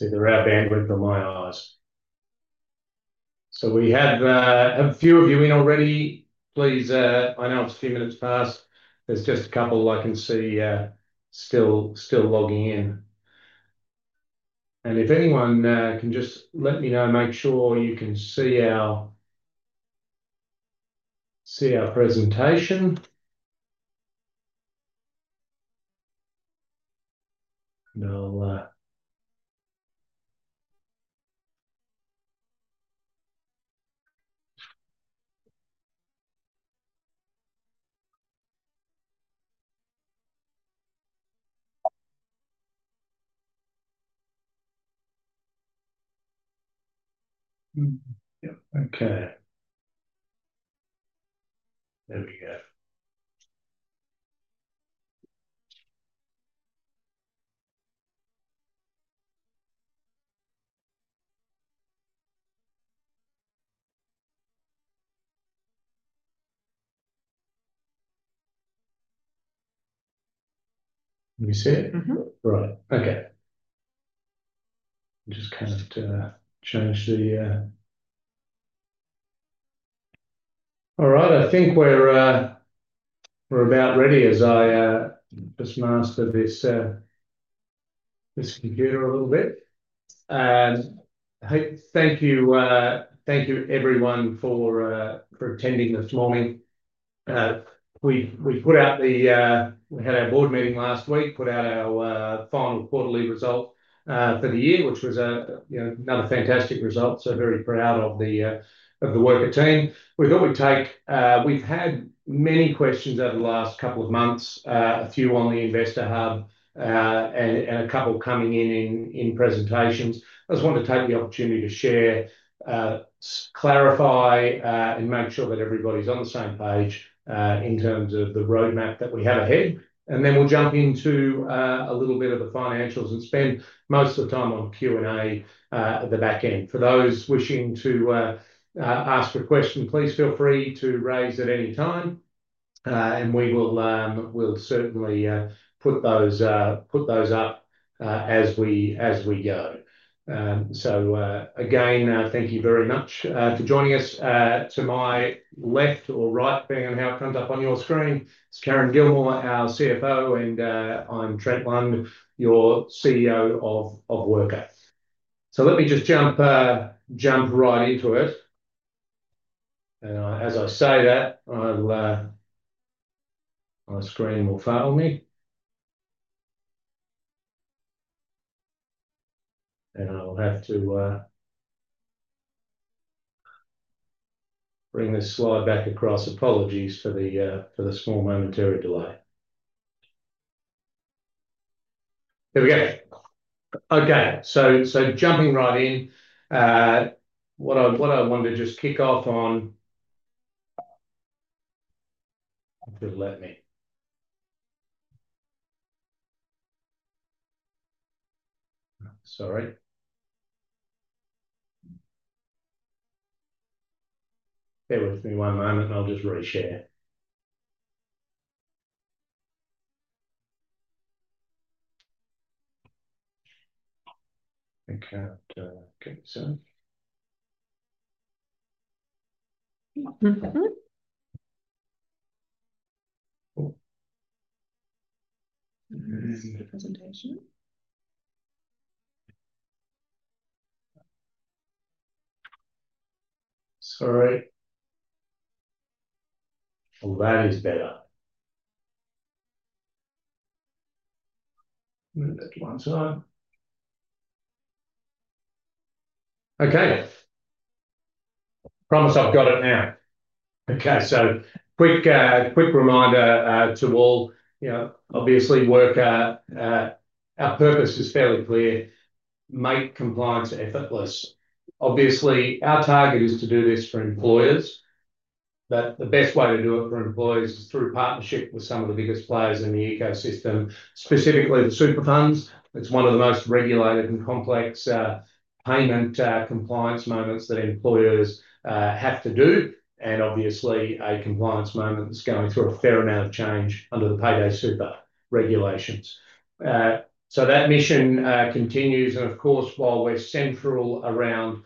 We're up, and we're going to launch. We have a few of you in already. Please announce a few minutes past. There's just a couple I can see still logging in. If anyone can just let me know, make sure you can see our presentation. Yeah, okay. There we go. Can you see it? Mm-hmm. All right, okay. I'm just going to change the... All right, I think we're about ready as I just master this computer a little bit. I hope, thank you, thank you everyone for attending this morning. We put out the... We had our board meeting last week, put out our final quarterly result for the year, which was another fantastic result. Very proud of the Wrkr team. We've had many questions over the last couple of months, a few on the Investor Hub and a couple coming in in presentations. I just wanted to take the opportunity to share, clarify, and make sure that everybody's on the same page in terms of the roadmap that we have ahead. We'll jump into a little bit of the financials and spend most of the time on Q&A at the back end. For those wishing to ask a question, please feel free to raise at any time. We will certainly put those up as we go. Again, thank you very much for joining us. To my left or right depending on how it turns up on your screen, it's Karen Gilmour, our CFO, and I'm Trent Lund, your CEO of Wrkr. Let me just jump right into it. As I say that, my screen will fail me. I will have to bring this slide back across. Apologies for the small momentary delay. There we go. Okay, jumping right in. What I wanted to just kick off on... If you'll let me... Sorry. Bear with me one moment, I'll just reshare. Sorry. Oh, that is better. Let me put that to one side. Okay, yes. Promise I've got it now. Okay, so quick reminder to all, you know, obviously Wrkr. Our purpose is fairly clear: make compliance effortless. Obviously, our target is to do this for employers. The best way to do it for employers is through partnership with some of the biggest players in the ecosystem, specifically the superfunds. It's one of the most regulated and complex payment compliance moments that employers have to do. Obviously, a compliance moment that's going through a fair amount of change under the Payday Super regulations. That mission continues. Of course, while we're central around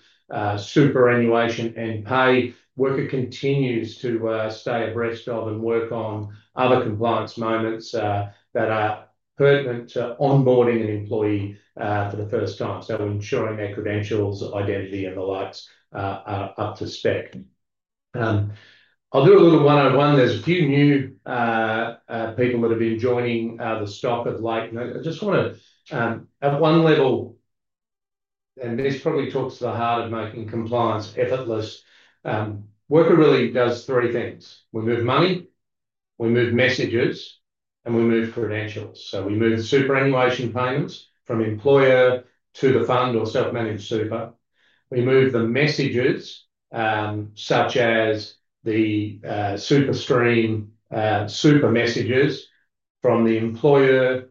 superannuation and pay, Wrkr continues to stay abreast of and work on other compliance moments that are pertinent to onboarding an employee for the first time. We're ensuring their credentials, identity, and the likes are up to spec. I'll do a little one-on-one. There's a few new people that have been joining the stock of late. I just want to have one little, and this probably talks to the heart of making compliance effortless. Wrkr really does three things. We move money, we move messages, and we move credentials. We move superannuation payments from employer to the fund or self-managed super. We move the messages, such as the SuperStream super messages from the employer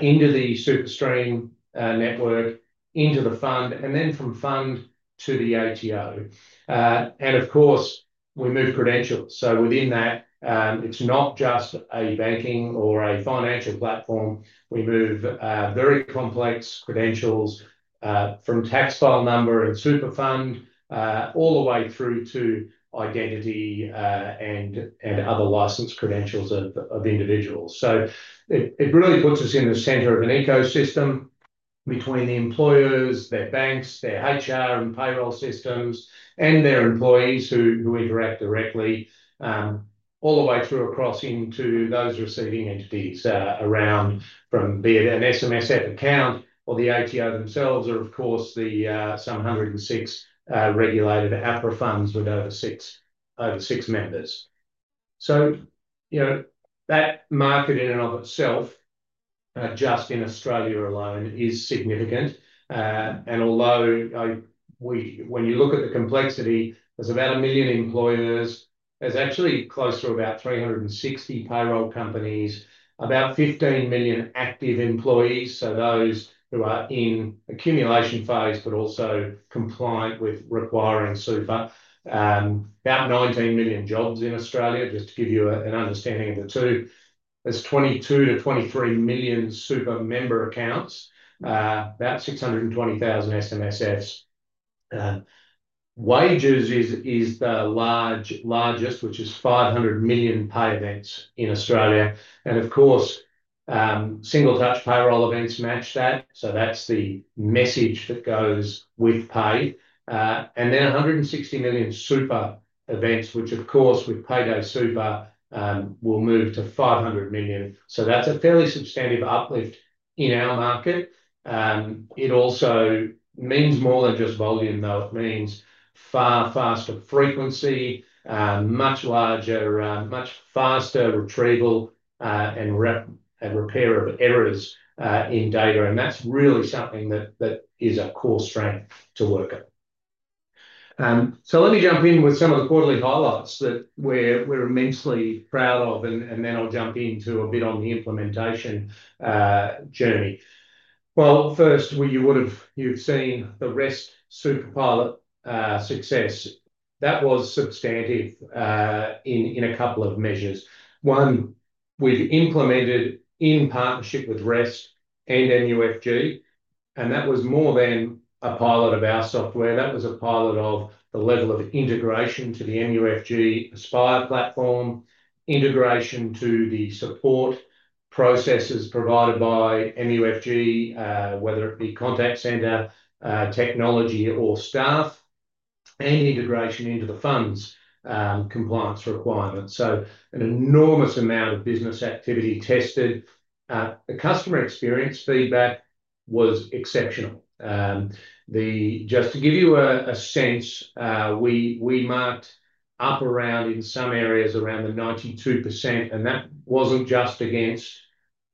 into the SuperStream network, into the fund, and then from fund to the ATO. We move credentials. Within that, it's not just a banking or a financial platform. We move very complex credentials from tax file number and superfund all the way through to identity and other licensed credentials of individuals. It really puts us in the center of an ecosystem between the employers, their banks, their HR and payroll systems, and their employees who interact directly all the way through across into those receiving entities around from be it an SMSF account or the ATO themselves, or of course the some 106 regulated APRA funds with over six members. That market in and of itself, just in Australia alone, is significant. Although when you look at the complexity, there's about a million employers, there's actually close to about 360 payroll companies, about 15 million active employees, so those who are in accumulation phase but also compliant with requiring super, about 19 million jobs in Australia, just to give you an understanding of the two. There's 22 million-23 million super member accounts, about 620,000 SMSFs. Wages is the largest, which is 500 million pay events in Australia. Of course, Single Touch Payroll events match that. That's the message that goes with pay. Then 160 million super events, which of course with Payday Super will move to 500 million. That's a fairly substantive uplift in our market. It also means more than just volume, though. It means far faster frequency, much larger, much faster retrieval and repair of errors in data. That's really something that is a core strength to Wrkr. Let me jump in with some of the quarterly highlights that we're immensely proud of. I'll jump into a bit on the implementation journey. First, you've seen the REST Super pilot success. That was substantive in a couple of measures. One, we've implemented in partnership with REST and MUFG. That was more than a pilot of our software. That was a pilot of the level of integration to the MUFG Aspire platform, integration to the support processes provided by MUFG, whether it be contact center, technology, or staff, and integration into the fund's compliance requirements. An enormous amount of business activity was tested. The customer experience feedback was exceptional. Just to give you a sense, we marked up around in some areas around the 92%. That wasn't just against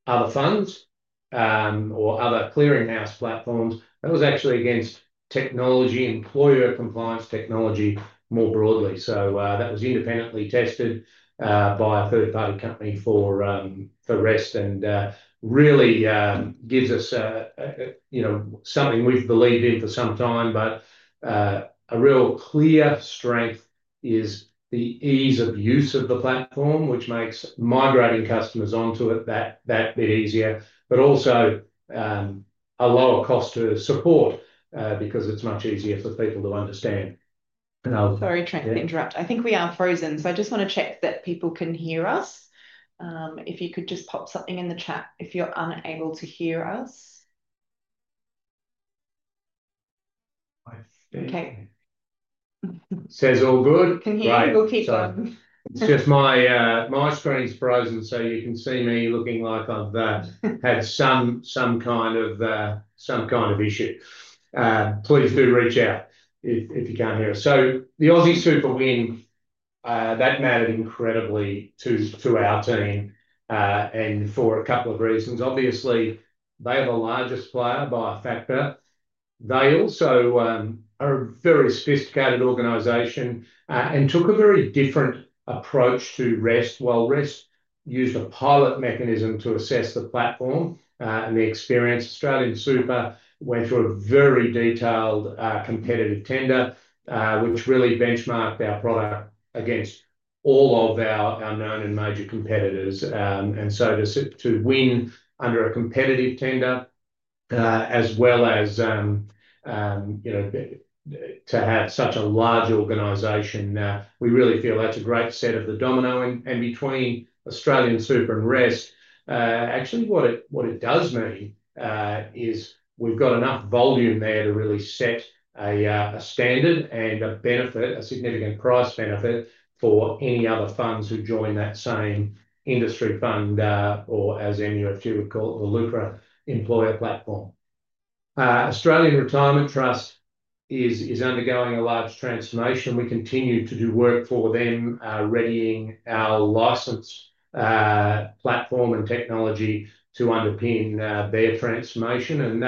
other funds or other clearinghouse platforms. That was actually against technology, employer compliance technology more broadly. That was independently tested by a third-party company for REST and really gives us something we've believed in for some time. A real clear strength is the ease of use of the platform, which makes migrating customers onto it that bit easier, but also a lower cost to support because it's much easier for people to understand. I'm trying to interrupt. I think we are frozen. I just want to check that people can hear us. If you could just pop something in the chat if you're unable to hear us. Okay, says all good. Can hear you. We'll keep going. It's just my screen's frozen. You can see me looking like I've had some kind of issue. Please do reach out if you can't hear us. The AustralianSuper win, that mattered incredibly to our team and for a couple of reasons. Obviously, they are the largest player by a factor. They also are a very sophisticated organization and took a very different approach to REST. REST used a pilot mechanism to assess the platform and the experience. AustralianSuper went through a very detailed competitive tender, which really benchmarked our product against all of our known and major competitors. To win under a competitive tender, as well as to have such a large organization, we really feel that's a great set of the domino in between AustralianSuper and REST. Actually, what it does mean is we've got enough volume there to really set a standard and a benefit, a significant price benefit for any other funds who join that same industry fund or as MUFG or LUPRA employer platform. Australian Retirement Trust is undergoing a large transformation. We continue to do work for them, readying our licensed platform and technology to underpin their transformation.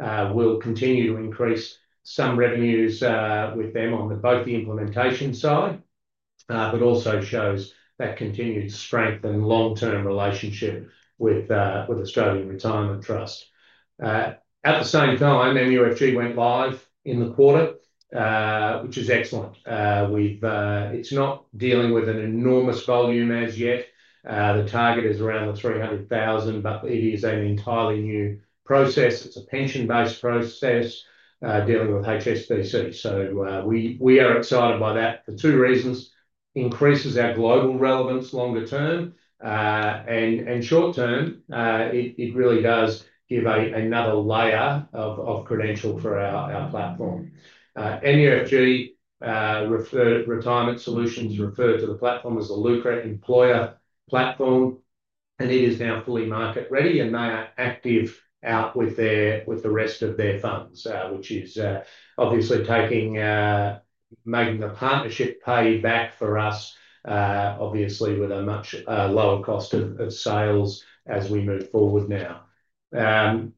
That will continue to increase some revenues with them on both the implementation side, but also shows that continued strength and long-term relationship with Australian Retirement Trust. At the same time, MUFG went live in the quarter, which is excellent. It's not dealing with an enormous volume as yet. The target is around the 300,000, but it is an entirely new process. It's a pension-based process dealing with HSBC. We are excited by that for two reasons. It increases our global relevance longer term. In the short term, it really does give another layer of credential for our platform. MUFG Retirement Solutions refer to the platform as the LUPRA employer platform. It is now fully market ready and they are active out with the rest of their funds, which is obviously making the partnership pay back for us, obviously with a much lower cost of sales as we move forward now. The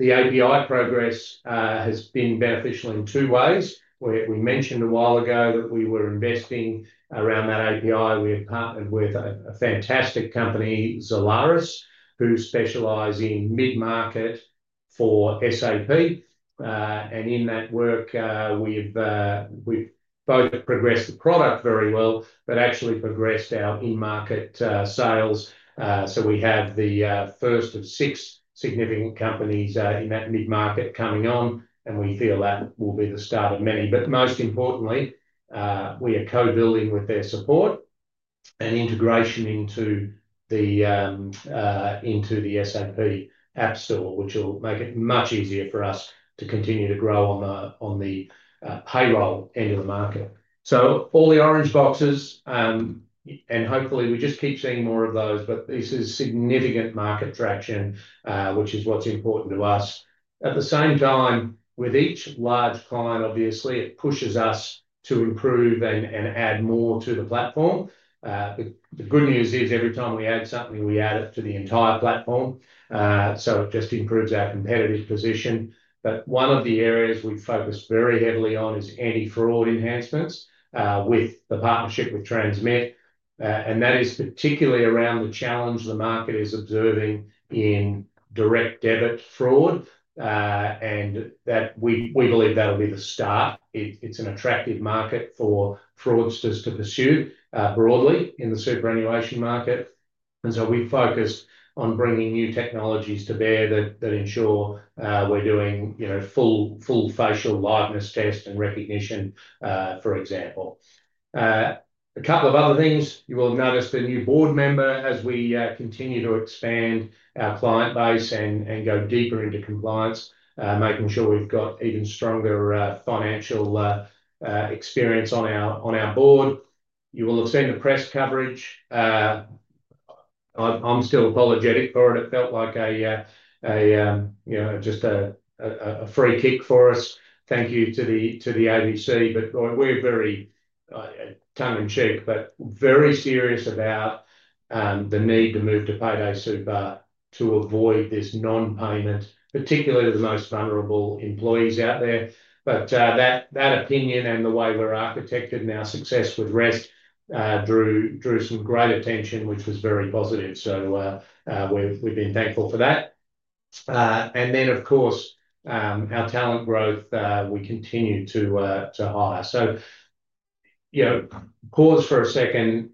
API progress has been beneficial in two ways. We mentioned a while ago that we were investing around that API. We have partnered with a fantastic company, Zalaris, who specialize in mid-market for SAP. In that work, we've both progressed the product very well, but actually progressed our in-market sales. We have the first of six significant companies in that mid-market coming on. We feel that will be the start of many. Most importantly, we are co-building with their support and integration into the SAP app store, which will make it much easier for us to continue to grow on the payroll end of the market. All the orange boxes, and hopefully we just keep seeing more of those, but this is significant market traction, which is what's important to us. At the same time, with each large client, obviously, it pushes us to improve and add more to the platform. The good news is every time we add something, we add it to the entire platform. It just improves our competitive position. One of the areas we focus very heavily on is anti-fraud enhancements with the partnership with Transmit. That is particularly around the challenge the market is observing in direct debit fraud. We believe that'll be the start. It's an attractive market for fraudsters to pursue broadly in the superannuation market. We focus on bringing new technologies to bear that ensure we're doing full facial liveness tests and recognition, for example. A couple of other things. You will notice the new board member as we continue to expand our client base and go deeper into compliance, making sure we've got even stronger financial experience on our board. You will attend the press coverage. I'm still apologetic for it. It felt like just a free kick for us. Thank you to the ADC. We're very tongue in cheek, but very serious about the need to move to Payday Super to avoid this non-payment, particularly to the most vulnerable employees out there. That opinion and the way we're architected and our success with REST drew some great attention, which was very positive. We've been thankful for that. Of course, our talent growth, we continue to hire. Pause for a second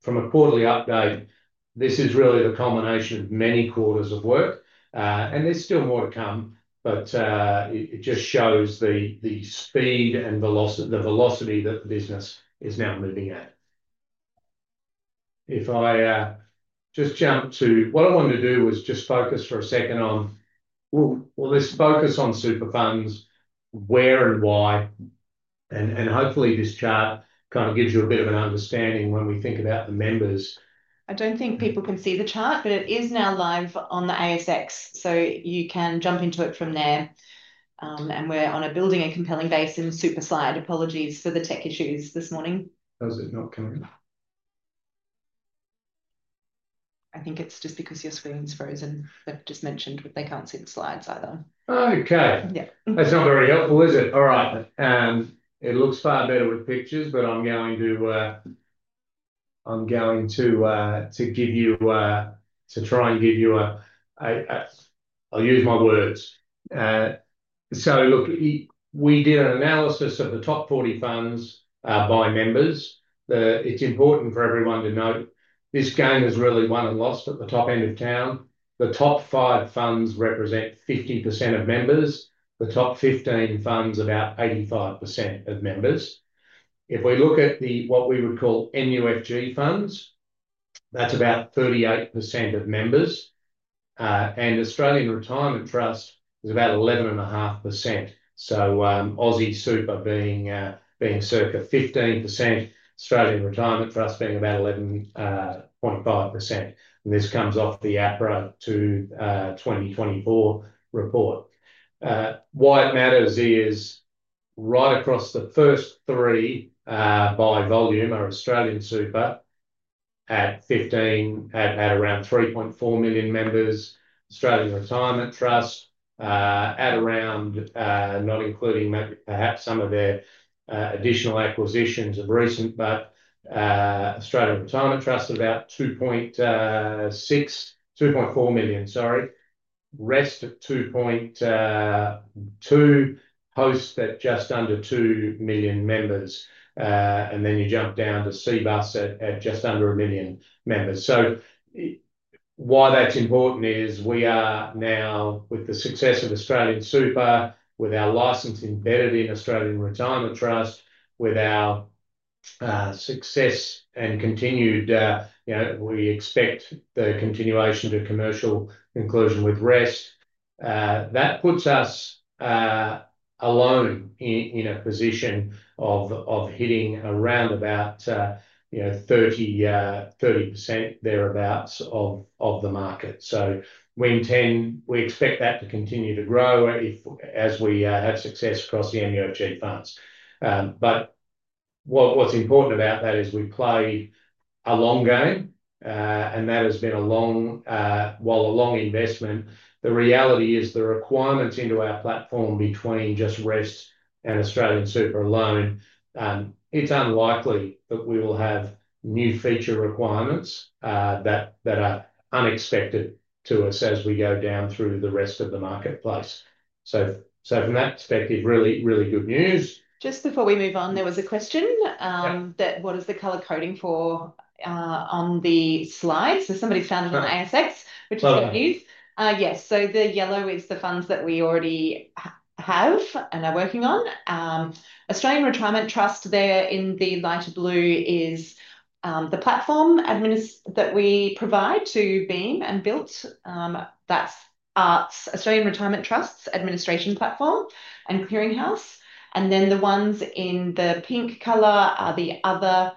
from a quarterly update. This is really the culmination of many quarters of work. There's still more to come. It just shows the speed and the velocity that the business is now moving at. If I just jump to what I wanted to do was just focus for a second on, will this focus on Superfunds, where and why? Hopefully, this chart kind of gives you a bit of an understanding when we think about the members. I don't think people can see the chart, but it is now live on the ASX. You can jump into it from there. We're building a compelling base in SuperSlide. Apologies for the tech issues this morning. How's it not coming up? I think it's just because your screen's frozen. They've just mentioned that they can't see the slides either. Okay. Yeah. That's not very helpful, is it? All right. It looks far better with pictures, but I'm going to give you a... I'll use my words. Look, we did an analysis of the top 40 funds by members. It's important for everyone to note this gain is really won and lost at the top end of town. The top five funds represent 15% of members. The top 15 funds, about 85% of members. If we look at what we would call MUFG funds, that's about 38% of members. Australian Retirement Trust is about 11.5%. AustralianSuper being circa 15%, Australian Retirement Trust being about 11.5%. This comes off the APRA to 2024 report. What matters is right across the first three by volume are AustralianSuper at 15% at around 3.4 million members, Australian Retirement Trust at around, not including perhaps some of their additional acquisitions of recent, but Australian Retirement Trust at about 2.6, 2.4 million, sorry, REST at 2.2, Hostplus at just under 2 million members, and then you jump down to Cbus at just under a million members. Why that's important is we are now, with the success of AustralianSuper, with our license embedded in Australian Retirement Trust, with our success and continued, you know, we expect the continuation to commercial conclusion with REST. That puts us alone in a position of hitting around about 30% thereabouts of the market. We intend we expect that to continue to grow as we had success across the MUFG funds. What's important about that is we played a long game, and that has been a long, well, a long investment. The reality is the requirements into our platform between just REST and AustralianSuper alone, it's unlikely that we will have new feature requirements that are unexpected to us as we go down through the rest of the marketplace. From that perspective, really, really good news. Just before we move on, there was a question that what is the color coding for on the slides? Somebody found it on the ASX, which is what it is. The yellow is the funds that we already have and are working on. Australian Retirement Trust there in the lighter blue is the platform that we provide to BEAM and BILT. That's Australian Retirement Trust's administration platform and clearinghouse. The ones in the pink color are the other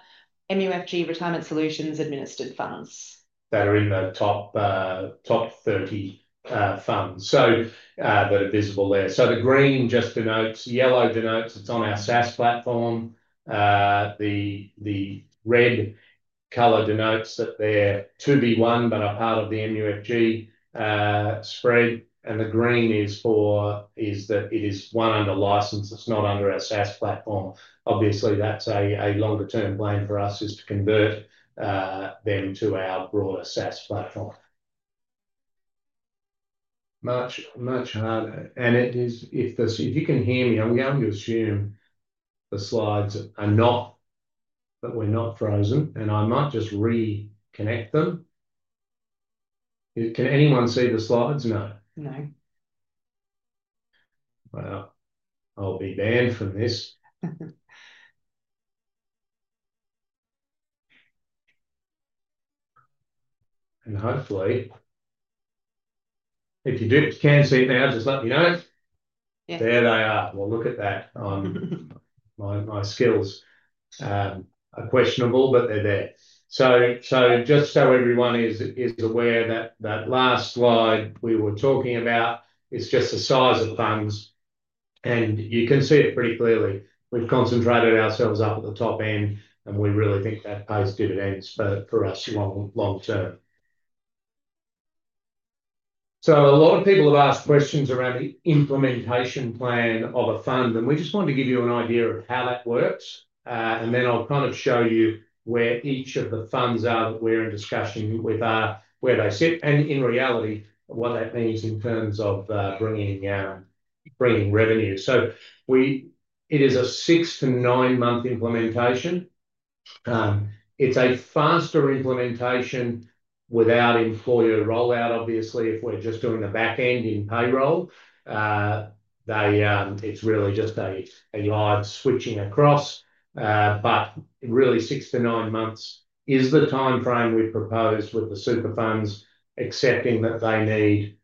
MUFG Retirement Solutions administered funds. That are in the top 30 funds. The green just denotes, yellow denotes it's on our SaaS platform. The red color denotes that they're to be one, but a part of the MUFG spread. The green is for, is that it is one under license. It's not under a SaaS platform. Obviously, that's a longer-term plan for us is to convert them to our broader SaaS platform. Much, much harder. If you can hear me, I'm going to assume the slides are not, that we're not frozen. I might just reconnect them. Can anyone see the slides? No. Hopefully, if you can see it now, just let me know. Yep. There they are. Look at that. My skills are questionable, but they're there. Just so everyone is aware, that last slide we were talking about is just the size of funds. You can see it pretty clearly. We've concentrated ourselves up at the top end, and we really think that pays dividends for us long term. A lot of people have asked questions around the implementation plan of a fund. We just wanted to give you an idea of how that works. I'll kind of show you where each of the funds are that we're in discussion with, where they sit, and in reality, what that means in terms of bringing revenue. It is a six to nine-month implementation. It's a faster implementation without employer rollout, obviously, if we're just doing the back end in payroll. It's really just a live switching across. Six to nine months is the timeframe we propose with the superfunds, accepting that they need,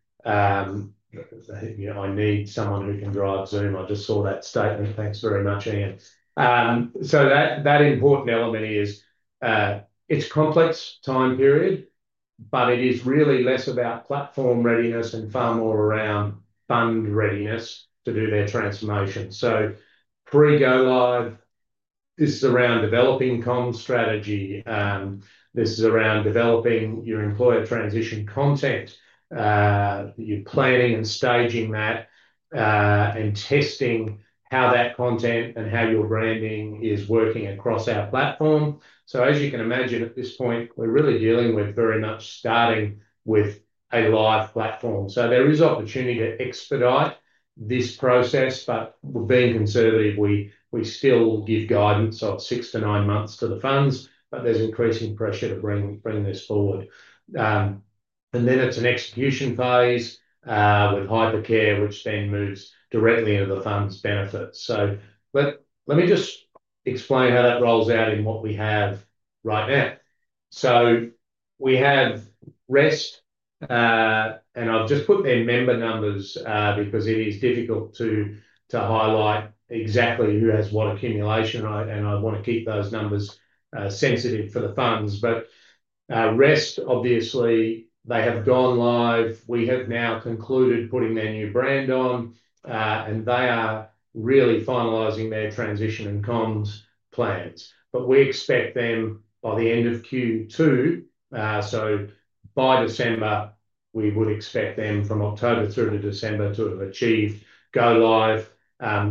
you know, I need someone who can drive Zoom. I just saw that statement. Thanks very much, Ian. That important element is it's a complex time period, but it is really less about platform readiness and far more around fund readiness to do their transformation. Pre-go live, this is around developing comms strategy. This is around developing your employer transition content. You're planning and staging that and testing how that content and how your branding is working across our platform. As you can imagine, at this point, we're really dealing with very much starting with a live platform. There is opportunity to expedite this process, but we're being conservative. We still give guidance of six to nine months for the funds, but there's increasing pressure to bring this forward. It's an execution phase with Hypercare, which then moves directly into the fund's benefits. Let me just explain how that rolls out in what we have right now. We have REST, and I've just put their member numbers because it is difficult to highlight exactly who has what accumulation, and I want to keep those numbers sensitive for the funds. REST, obviously, they have gone live. We have now concluded putting their new brand on, and they are really finalizing their transition and comms plans. We expect them by the end of Q2. By December, we would expect them from October through to December to have achieved go live,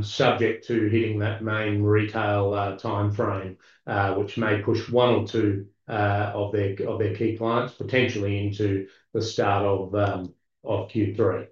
subject to hitting that main retail timeframe, which may push one or two of their key clients potentially into the start of Q3.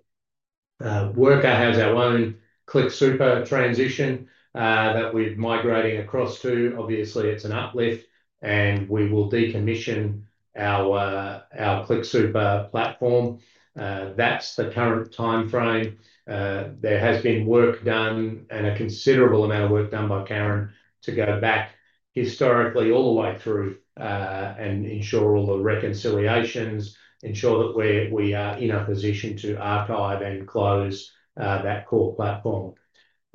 Wrkr has our own ClickSuper transition that we're migrating across to. Obviously, it's an uplift, and we will decommission our ClickSuper platform. That's the current timeframe. There has been work done and a considerable amount of work done by Karen Gilmour to go back historically all the way through and ensure all the reconciliations, ensure that we are in a position to archive and close that core platform.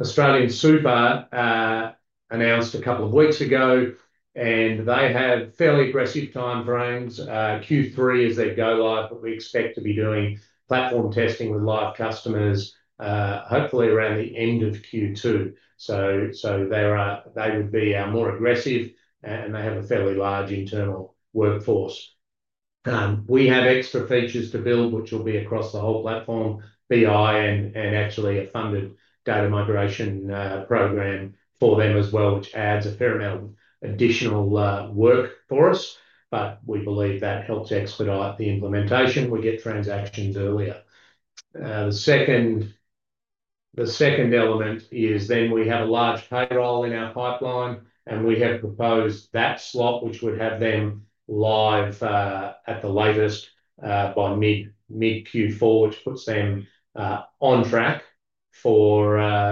AustralianSuper announced a couple of weeks ago, and they have fairly aggressive timeframes. Q3 is their go live, but we expect to be doing platform testing with live customers, hopefully around the end of Q2. They would be more aggressive, and they have a fairly large internal workforce. We have extra features to build, which will be across the whole platform, BI, and actually a funded data migration program for them as well, which adds a fair amount of additional work for us. We believe that helps expedite the implementation. We get transactions earlier. The second element is then we have a large payroll in our pipeline, and we have proposed that slot, which would have them live at the latest by mid-Q4, which puts them on track for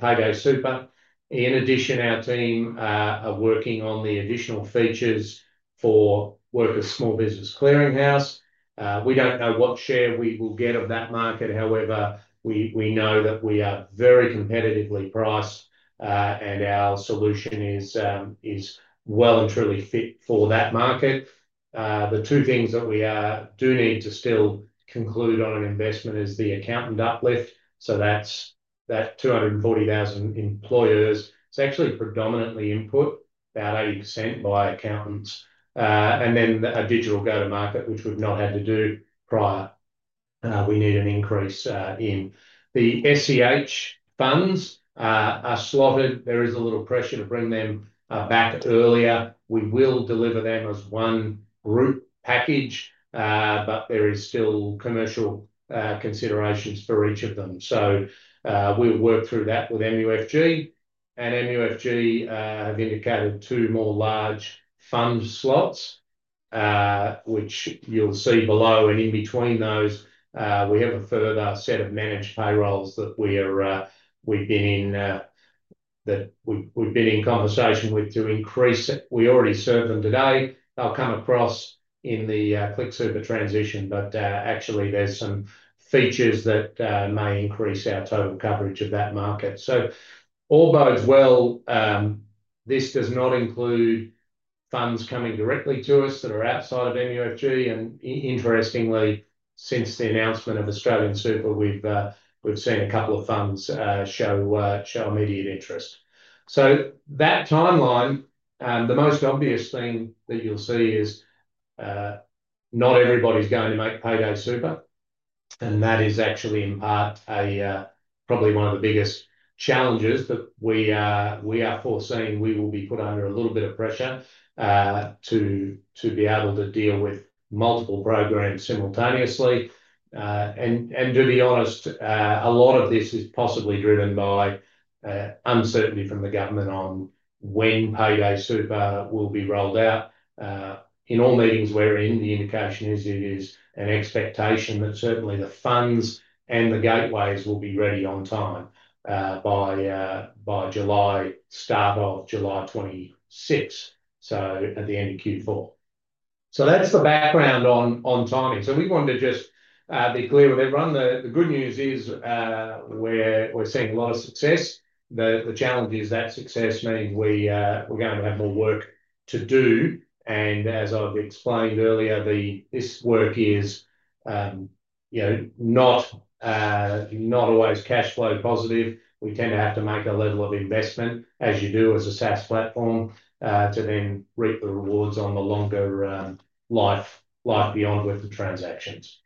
Payday Super. In addition, our team are working on the additional features for Wrkr's small business clearinghouse. We don't know what share we will get of that market. However, we know that we are very competitively priced, and our solution is well and truly fit for that market. The two things that we do need to still conclude on an investment is the accountant uplift. That's that 240,000 employers. It's actually predominantly input, about 80% by accountants. Then a digital go-to-market, which we've not had to do prior. We need an increase in the SEH funds are slotted. There is a little pressure to bring them back earlier. We will deliver them as one group package, but there are still commercial considerations for each of them. We'll work through that with MUFG. MUFG have indicated two more large fund slots, which you'll see below. In between those, we have a further set of managed payrolls that we've been in conversation with to increase. We already serve them today. They'll come across in the ClickSuper transition, but actually, there's some features that may increase our total coverage of that market. All bodes well. This does not include funds coming directly to us that are outside of MUFG. Interestingly, since the announcement of AustralianSuper, we've seen a couple of funds show immediate interest. That timeline, the most obvious thing that you'll see is not everybody's going to make Payday Super. That is actually in part probably one of the biggest challenges that we are foreseeing. We will be put under a little bit of pressure to be able to deal with multiple programs simultaneously. To be honest, a lot of this is possibly driven by uncertainty from the government on when Payday Super will be rolled out. In all meetings we're in, the indication is it is an expectation that certainly the funds and the gateways will be ready on time by July, start of July 2026, at the end of Q4. That's the background on timing. We wanted to just be clear with everyone. The good news is we're seeing a lot of success. The challenge is that success means we're going to have more work to do. As I've explained earlier, this work is not always cash flow positive. We tend to have to make a level of investment, as you do as a SaaS platform, to then reap the rewards on the longer life, like beyond with the transactions.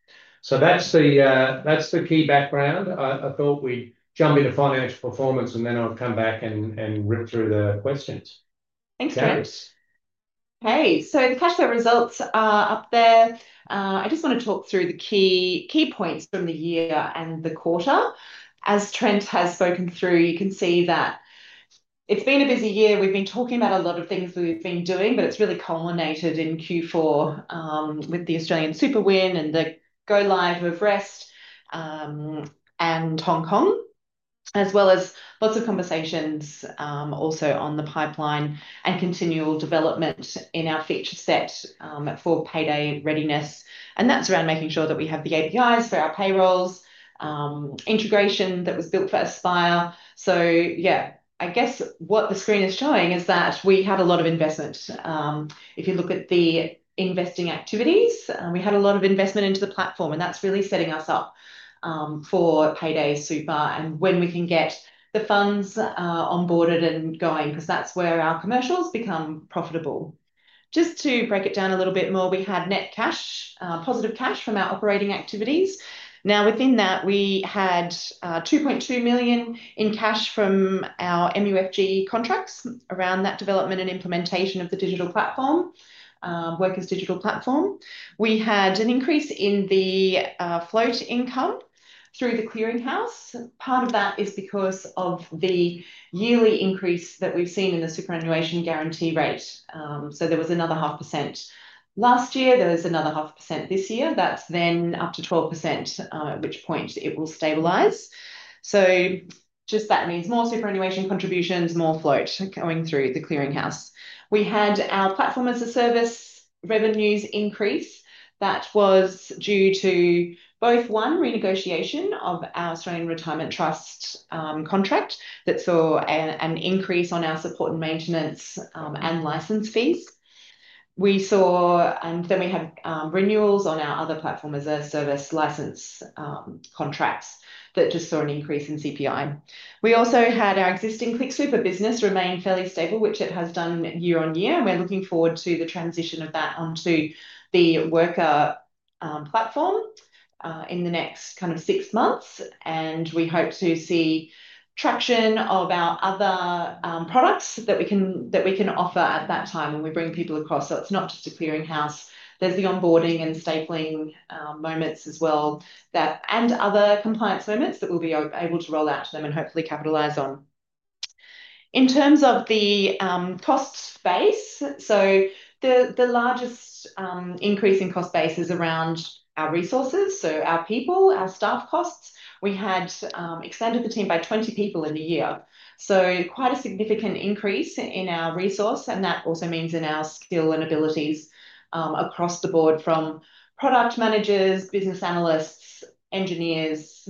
That's the key background. I thought we'd jump into financial performance, and then I'll come back and rip through the questions. Thanks, Trent. Hey, so the cash flow results are up there. I just want to talk through the key points from the year and the quarter. As Trent has spoken through, you can see that it's been a busy year. We've been talking about a lot of things we've been doing, but it's really culminated in Q4 with the AustralianSuper win and the go-live of REST and Hong Kong, as well as lots of conversations also on the pipeline and continual development in our feature set for payday readiness. That's around making sure that we have the APIs for our payrolls, integration that was built for Aspire. I guess what the screen is showing is that we had a lot of investment. If you look at the investing activities, we had a lot of investment into the platform, and that's really setting us up for Payday Super and when we can get the funds onboarded and going, because that's where our commercials become profitable. Just to break it down a little bit more, we had net cash, positive cash from our operating activities. Now within that, we had 2.2 million in cash from our MUFG contracts around that development and implementation of the digital platform, Wrkr's digital platform. We had an increase in the Float Income through the clearinghouse. Part of that is because of the yearly increase that we've seen in the Super Guarantee Rate. There was another 0.5% last year. There's another 0.5% this year. That's then up to 12%, at which point it will stabilize. That means more superannuation contributions, more float going through the clearinghouse. We had our Platform-as-a-Service revenues increase. That was due to both, one, renegotiation of our Australian Retirement Trust contract that saw an increase on our support and maintenance and license fees. We saw, and then we had renewals on our other Platform-as-a-Service license contracts that just saw an increase in CPI. We also had our existing ClickSuper business remain fairly stable, which it has done year-on-year. We're looking forward to the transition of that onto the Wrkr PLATFORM in the next kind of six months. We hope to see traction of our other products that we can offer at that time when we bring people across. It's not just a clearinghouse. There's the onboarding and stapling moments as well, and other compliance moments that we'll be able to roll out to them and hopefully capitalize on. In terms of the cost base, the largest increase in cost base is around our resources, so our people, our staff costs. We had expanded the team by 20 people in a year, quite a significant increase in our resource. That also means in our skill and abilities across the board from Product Managers, Business Analysts, Engineers,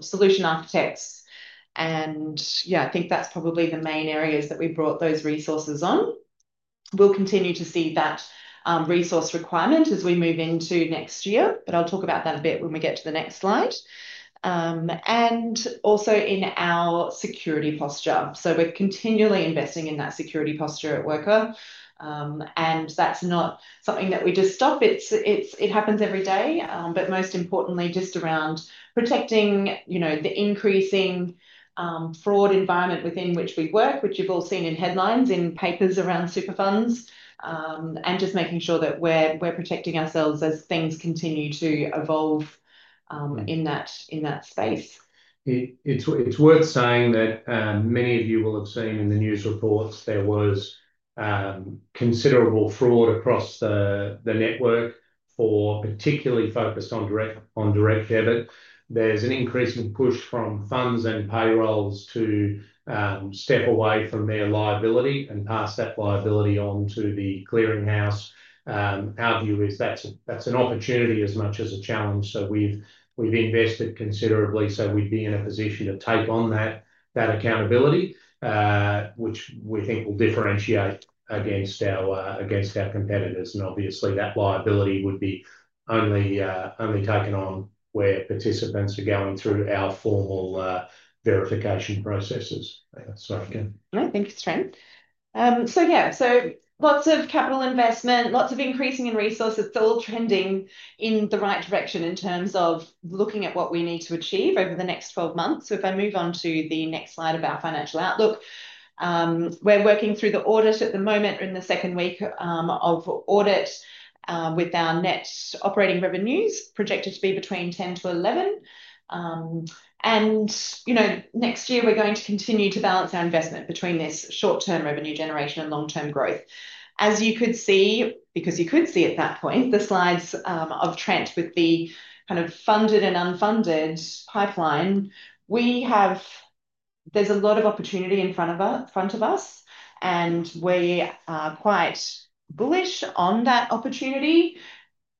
Solution Architects. I think that's probably the main areas that we brought those resources on. We'll continue to see that resource requirement as we move into next year. I'll talk about that a bit when we get to the next slide. Also in our security posture, we're continually investing in that security posture at Wrkr. That's not something that we just stop. It happens every day. Most importantly, just around protecting the increasing fraud environment within which we work, which you've all seen in headlines, in papers around superfunds, and just making sure that we're protecting ourselves as things continue to evolve in that space. It's worth saying that many of you will have seen in the news reports, there was considerable fraud across the network, particularly focused on direct debit. There's an increase in push from funds and payrolls to step away from their liability and pass that liability on to the clearinghouse. Our view is that's an opportunity as much as a challenge. We've invested considerably, so we'd be in a position to take on that accountability, which we think will differentiate against our competitors. Obviously, that liability would be only taken on where participants are going through our formal verification processes. All right, thank you, Trent. Yeah, lots of capital investment, lots of increasing in resources. It's all trending in the right direction in terms of looking at what we need to achieve over the next 12 months. If I move on to the next slide about financial outlook, we're working through the audit at the moment, we're in the second week of audit, with our net operating revenues projected to be between 10 million-11 million. Next year, we're going to continue to balance our investment between this short-term revenue generation and long-term growth. As you could see at that point, the slides of Trent with the kind of funded and unfunded pipeline, we have, there's a lot of opportunity in front of us. We are quite bullish on that opportunity.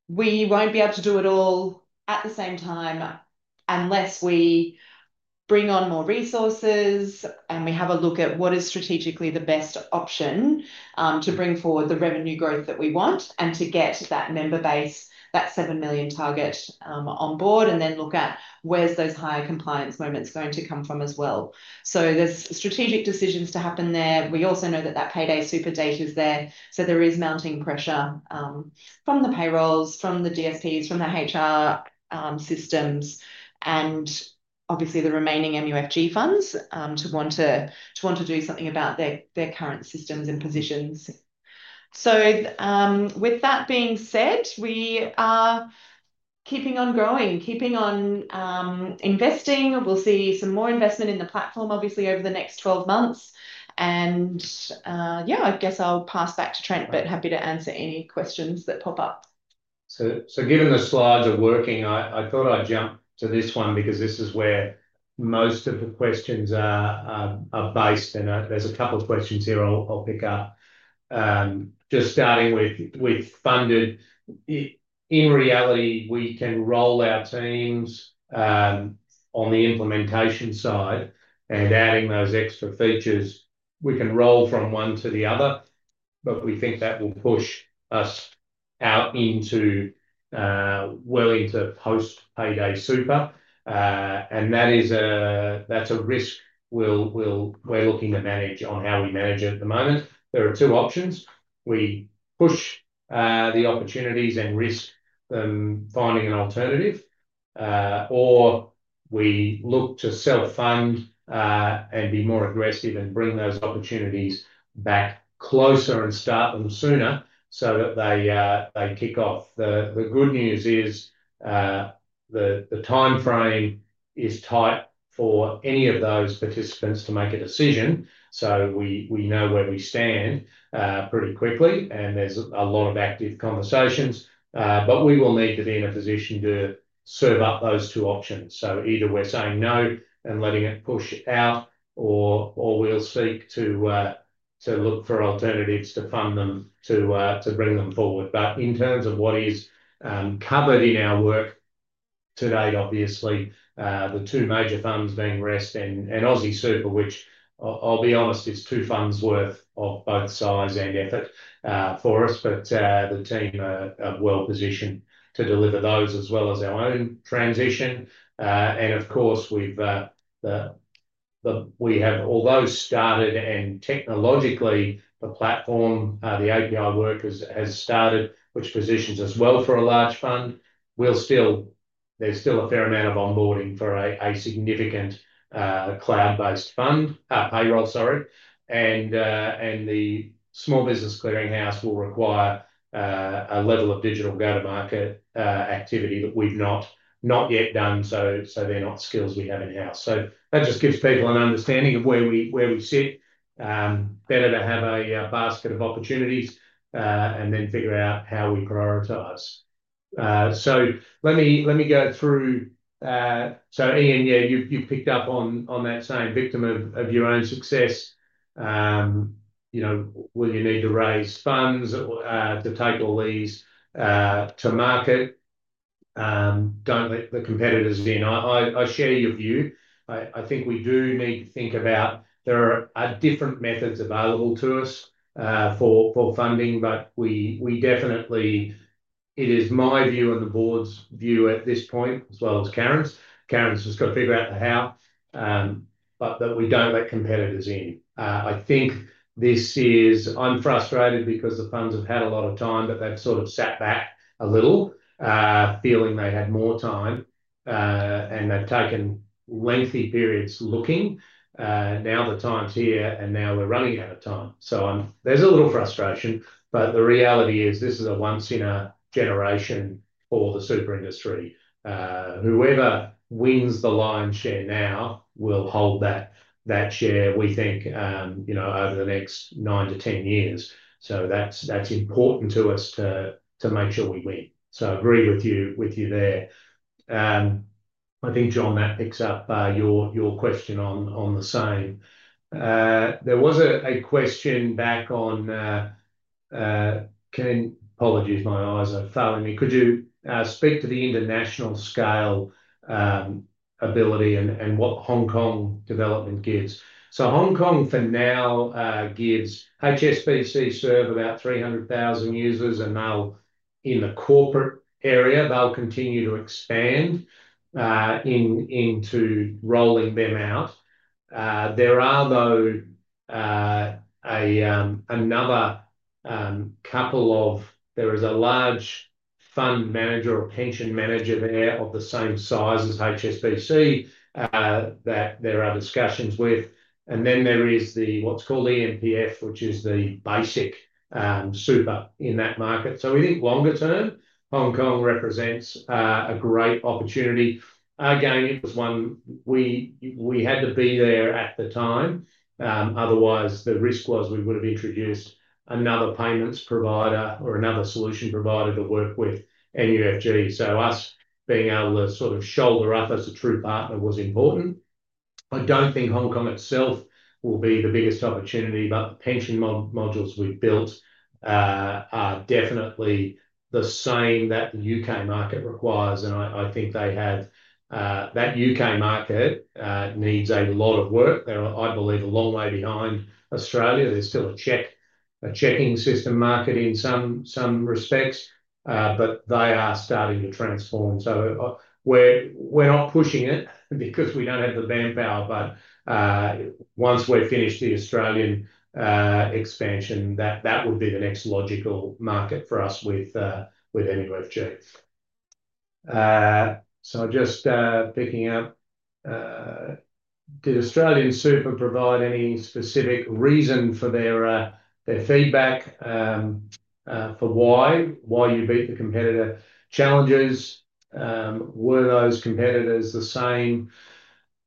We won't be able to do it all at the same time unless we bring on more resources and we have a look at what is strategically the best option to bring forward the revenue growth that we want and to get that member base, that 7 million target on board, and then look at where those higher compliance moments are going to come from as well. There are strategic decisions to happen there. We also know that that Payday Super date is there. There is mounting pressure from the payrolls, from the DSPs, from the HR systems, and obviously the remaining MUFG funds to want to do something about their current systems and positions. With that being said, we are keeping on growing, keeping on investing. We'll see some more investment in the platform, obviously, over the next 12 months. I guess I'll pass that to Trent, but happy to answer any questions that pop up. Given the slides are working, I thought I'd jump to this one because this is where most of the questions are based. There's a couple of questions here I'll pick up. Just starting with funded, in reality, we can roll our teams on the implementation side and adding those extra features. We can roll from one to the other, but we think that will push us out into willing to post Payday Super. That's a risk we're looking to manage on how we manage it at the moment. There are two options. We push the opportunities and risk them finding an alternative, or we look to self-fund and be more aggressive and bring those opportunities back closer and start them sooner so that they kick off. The good news is the timeframe is tight for any of those participants to make a decision. We know where we stand pretty quickly, and there's a lot of active conversations. We will need to be in a position to serve up those two options. Either we're saying no and letting it push out, or we'll seek to look for alternatives to fund them to bring them forward. In terms of what is covered in our work to date, obviously, the two major funds being REST Super and AustralianSuper, which I'll be honest, is two funds' worth of both size and effort for us. The team are well positioned to deliver those as well as our own transition. Of course, we have all those started and technologically a platform, the API work has started, which positions us well for a large fund. There's still a fair amount of onboarding for a significant cloud-based fund, payroll, sorry. The small business clearinghouse will require a level of digital go-to-market activity that we've not yet done. They're not skills we have in-house. That just gives people an understanding of where we sit. Better to have a basket of opportunities and then figure out how we prioritize. Let me go through. Ian, you've picked up on that same victim of your own success. You know, will you need to raise funds to take all these to market? Don't let the competitors win. I share your view. I think we do need to think about there are different methods available to us for funding, but we definitely, it is my view and the board's view at this point, as well as Karen's. Karen's just got to figure out the how, but that we don't let competitors in. I think this is, I'm frustrated because the funds have had a lot of time, but they've sort of sat back a little, feeling they'd had more time, and they've taken lengthy periods looking. Now the time's here, and now we're running out of time. There's a little frustration, but the reality is this is a once-in-a-generation for the super industry. Whoever wins the lion's share now will hold that share, we think, over the next nine to ten years. That's important to us to make sure we win. I agree with you there. I think, John, that picks up your question on the same. There was a question back on, Ken, apologies, my eyes are following me. Could you speak to the international scalability and what Hong Kong development gives? Hong Kong for now gives HSBC serve about 300,000 users, and they'll, in the corporate area, continue to expand into rolling them out. There are another couple of, there is a large fund manager or pension manager of the same size as HSBC that there are discussions with. There is the what's called the MPF, which is the basic super in that market. We think longer term, Hong Kong represents a great opportunity. It was one, we had to be there at the time. Otherwise, the risk was we would have introduced another payments provider or another solution provider to work with MUFG. Us being able to sort of shoulder up as a true partner was important. I don't think Hong Kong itself will be the biggest opportunity, but pension modules we've built are definitely the same that the U.K. market requires. I think they have, that U.K. market needs a lot of work. They're, I believe, a long way behind Australia. There's still a checking system market in some respects, but they are starting to transform. We're not pushing it because we don't have the manpower, but once we've finished the Australian expansion, that would be the next logical market for us with MUFG. Just picking up, did AustralianSuper provide any specific reason for their feedback for why you beat the competitor challenges? Were those competitors the same?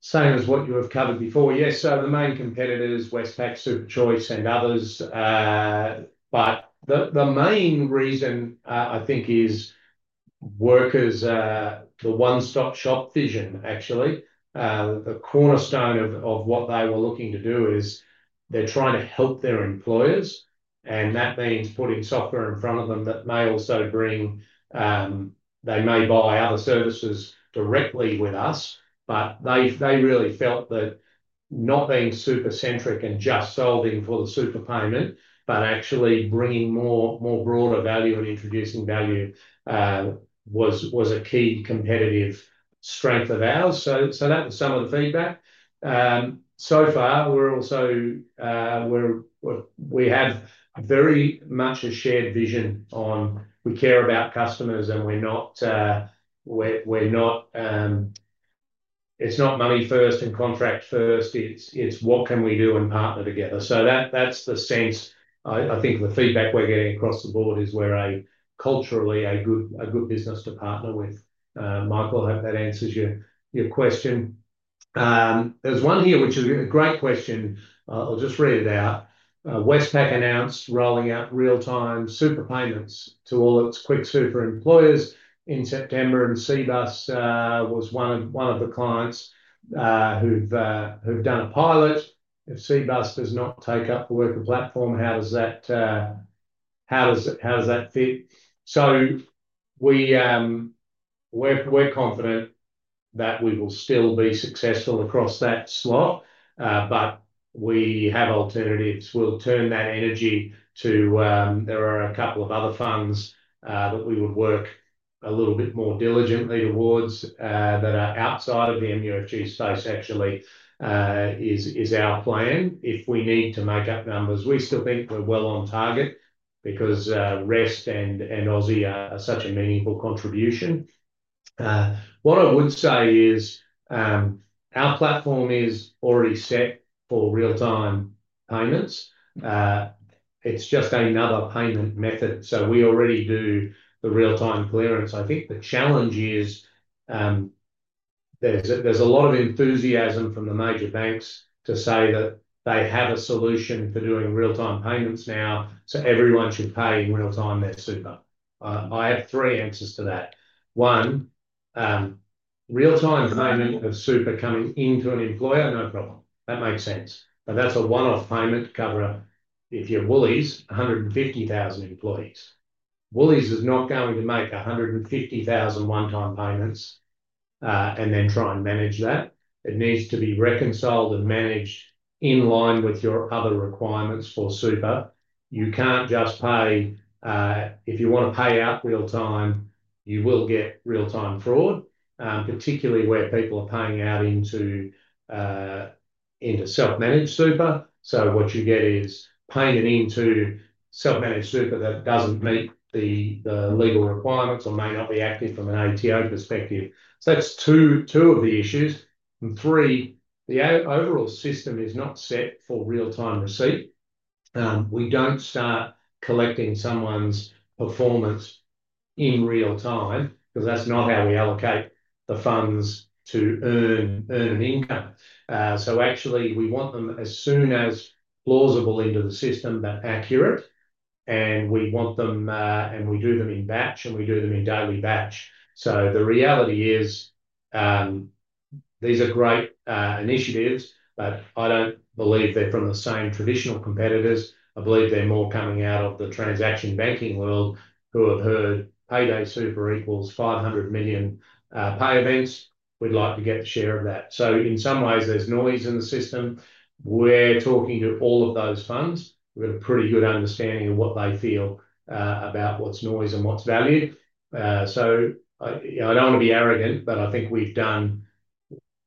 Same as what you have covered before? Yes, the main competitors, Westpac, SuperChoice, and others. The main reason, I think, is Wrkr's the one-stop shop vision, actually. A cornerstone of what they were looking to do is they're trying to help their employers. That means putting software in front of them that may also bring, they may buy other services directly with us. They really felt that not being super-centric and just solving for the super payment, but actually bringing more broader value and introducing value was a key competitive strength of ours. That was some of the feedback. So far, we have very much a shared vision on we care about customers and we're not, it's not money first and contract first. It's what can we do and partner together. That's the sense, I think, the feedback we're getting across the board is we're culturally a good business to partner with. Michael, I hope that answers your question. There's one here, which is a great question. I'll just read it out. Westpac announced rolling out real-time super payments to all its QuickSuper employers in September. Cbus was one of the clients who've done a pilot. If Cbus does not take up the Wrkr PLATFORM, how does that fit? We're confident that we will still be successful across that slot, but we have alternatives. We'll turn that energy to, there are a couple of other funds that we would work a little bit more diligently towards that are outside of the MUFG space, actually, is our plan. If we need to make up numbers, we still think we're well on target because REST and Aussie are such a meaningful contribution. What I would say is our platform is already set for real-time payments. It's just another payment method. We already do the real-time clearance. I think the challenge is there's a lot of enthusiasm from the major banks to say that they have a solution for doing real-time payments now. Everyone should pay in real-time their super. I have three answers to that. One, real-time payment of super coming into an employer, no problem. That makes sense. That's a one-off payment to cover up, if you're Woolworths, 150,000 employees. Woolworths is not going to make 150,000 one-time payments and then try and manage that. It needs to be reconciled and managed in line with your other requirements for super. You can't just pay, if you want to pay out real-time, you will get real-time fraud, particularly where people are paying out into self-managed super. What you get is payment into self-managed super that doesn't meet the legal requirements or may not be active from an ATO perspective. That's two of the issues. Three, the overall system is not set for real-time receipt. We don't start collecting someone's performance in real time because that's not how we allocate the funds to earn an income. We want them as soon as plausible into the system, but accurate. We want them, and we do them in batch, and we do them in daily batch. The reality is these are great initiatives, but I don't believe they're from the same traditional competitors. I believe they're more coming out of the transaction banking world who have heard Payday Super equals 500 million pay events. We'd like to get the share of that. In some ways, there's noise in the system. We're talking to all of those funds. We've got a pretty good understanding of what they feel about what's noise and what's valued. I don't want to be arrogant, but I think we've done,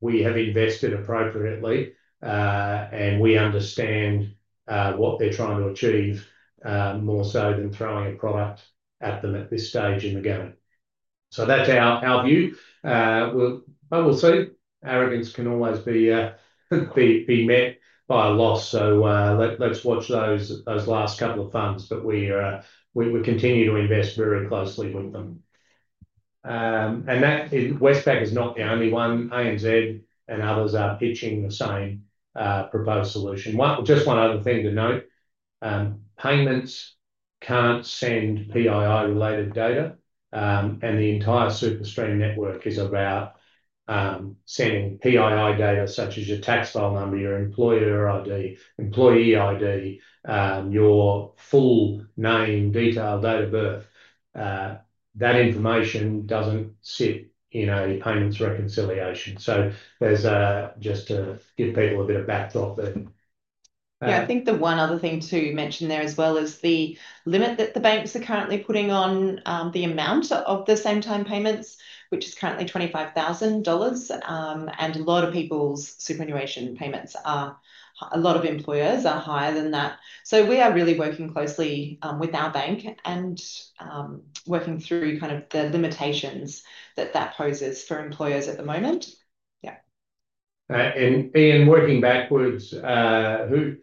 we have invested appropriately, and we understand what they're trying to achieve, more so than throwing a product at them at this stage in the given. That's our view. We'll see. Arrogance can always be met by a loss. Let's watch those last couple of funds, but we continue to invest very closely with them. Westpac is not the only one. ANZ and others are pitching the same proposed solution. Just one other thing to note. Payments can't send PII-related data, and the entire SuperStream network is about sending PII data such as your tax file number, your employer ID, employee ID, your full name, detailed date of birth. That information doesn't sit in a payments reconciliation. That's just to give people a bit of backdrop there. Yeah, I think the one other thing to mention there as well is the limit that the banks are currently putting on the amount of the same-time payments, which is currently 25,000 dollars. A lot of people's superannuation payments are, a lot of employers are higher than that. We are really working closely with our bank and working through the limitations that that poses for employers at the moment. Yeah. Ian, working backwards, who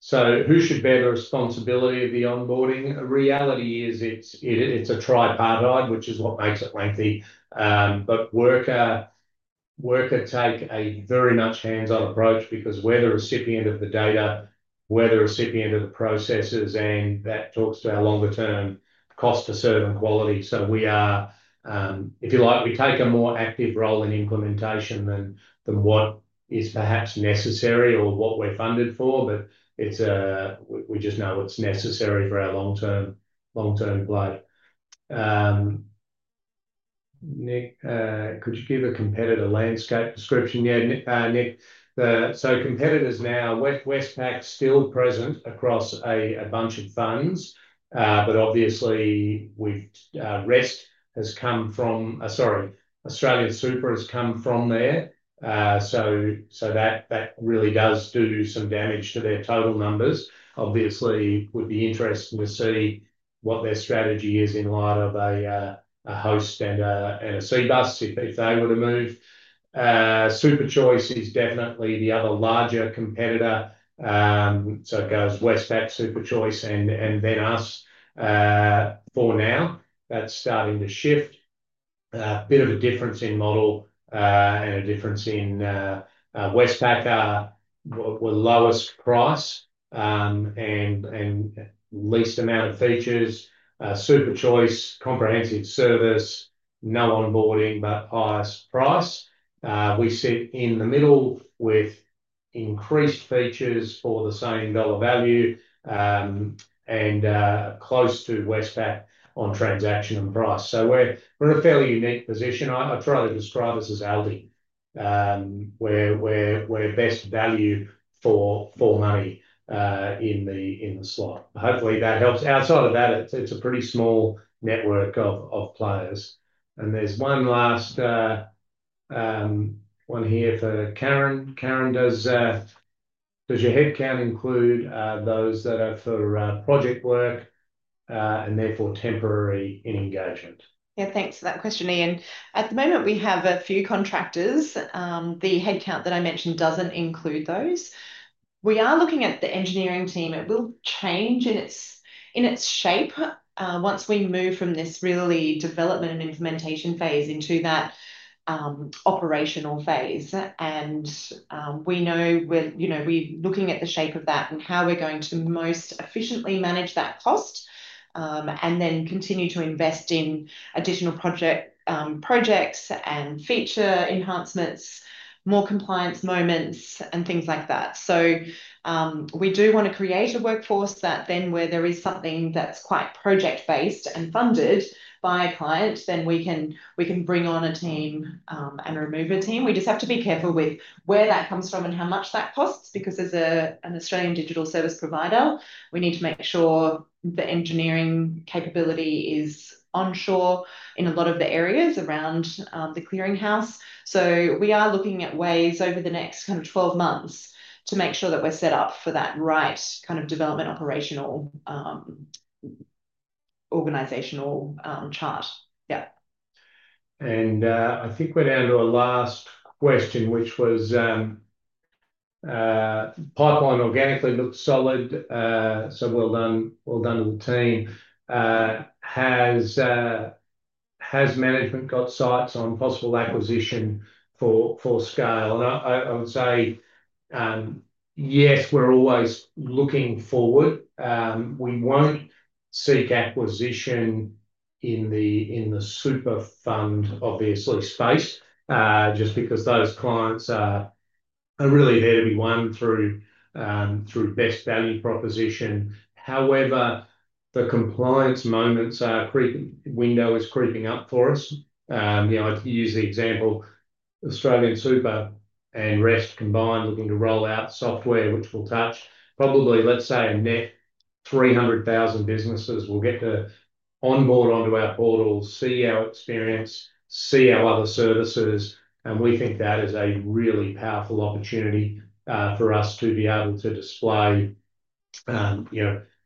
should bear the responsibility of the onboarding? The reality is it's a tripartite, which is what makes it lengthy. Wrkr takes a very much hands-on approach because we're the recipient of the data, we're the recipient of the processes, and that talks to our longer-term cost to serve and quality. We are, if you like, we take a more active role in implementation than what is perhaps necessary or what we're funded for. We just know it's necessary for our long-term play. Nick, could you give a competitor landscape description? Yeah, Nick. Competitors now, Westpac's still present across a bunch of funds, but obviously, AustralianSuper has come from there. That really does do some damage to their total numbers. It would be interesting to see what their strategy is in light of a Hostplus and a Cbus if they're saying they're going to move. SuperChoice is definitely the other larger competitor. It goes Westpac, SuperChoice, and then us for now. That's starting to shift. A bit of a difference in model and a difference in Westpac are with lowest price and least amount of features. SuperChoice, comprehensive service, no onboarding, but highest price. We sit in the middle with increased features for the same dollar value and close to Westpac on transaction and price. We're in a fairly unique position. I try to describe us as Aldi, where we're best value for money in the slot. Hopefully, that helps. Outside of that, it's a pretty small network of players. There's one last one here for Karen. Karen, does your headcount include those that are for project work and therefore temporary in engagement? Yeah, thanks for that question, Ian. At the moment, we have a few contractors. The headcount that I mentioned doesn't include those. We are looking at the engineering team. It will change in its shape once we move from this really development and implementation phase into that operational phase. We know we're looking at the shape of that and how we're going to most efficiently manage that cost and then continue to invest in additional projects and feature enhancements, more compliance moments, and things like that. We do want to create a workforce that then where there is something that's quite project-based and funded by a client, we can bring on a team and remove a team. We just have to be careful with where that comes from and how much that costs because as an Australian digital service provider, we need to make sure the engineering capability is onshore in a lot of the areas around the clearinghouse. We are looking at ways over the next kind of 12 months to make sure that we're set up for that right kind of development, operational, organizational chart. Yeah. I think we're down to our last question, which was pipeline organically looks solid. Well done, well done to the team. Has management got sights on possible acquisition for scale? I would say, yes, we're always looking forward. We won't seek acquisition in the superfund, obviously, space, just because those clients are really there to be won through best value proposition. However, the compliance moments or window is creeping up for us. I use the example of AustralianSuper and REST combined looking to roll out software, which we'll touch. Probably, let's say a net 300,000 businesses will get to onboard onto our portal, see our experience, see our other services. We think that is a really powerful opportunity for us to be able to display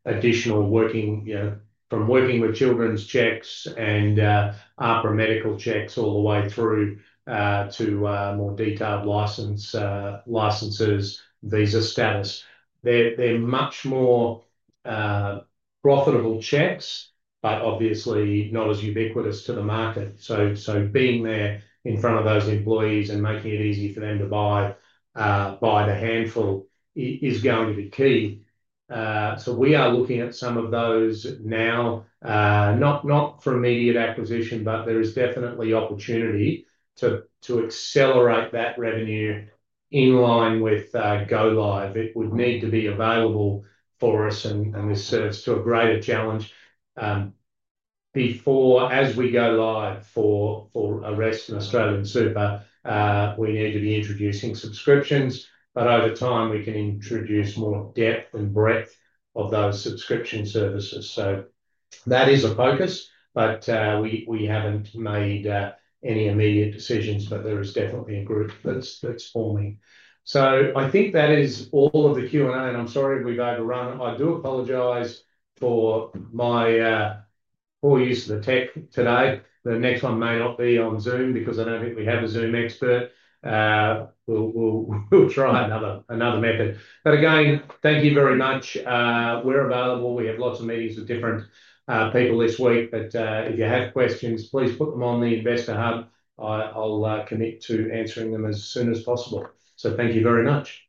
additional working, from working with children's checks and upper medical checks all the way through to more detailed licenses, visa status. They're much more profitable checks, but obviously not as ubiquitous to the market. Being there in front of those employees and making it easy for them to buy the handful is going to be key. We are looking at some of those now, not for immediate acquisition, but there is definitely opportunity to accelerate that revenue in line with go live. It would need to be available for us, and this serves to a greater challenge. Before, as we go live for REST and AustralianSuper, we need to be introducing subscriptions. Over time, we can introduce more depth and breadth of those subscription services. That is the focus, but we haven't made any immediate decisions, but there is definitely a group that's forming. I think that is all of the Q&A, and I'm sorry we've overrun. I do apologize for my poor use of the tech today. The next one may not be on Zoom because I don't think we have a Zoom expert. We'll try another method. Again, thank you very much. We're available. We have lots of meetings with different people this week. If you have questions, please put them on the Investor Hub. I'll commit to answering them as soon as possible. Thank you very much. Thanks.